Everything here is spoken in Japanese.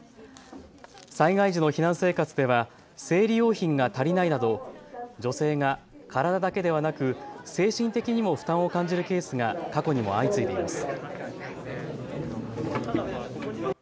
災害時の避難生活では生理用品が足りないなど女性が体だけではなく精神的にも負担を感じるケースが過去にも相次いでいます。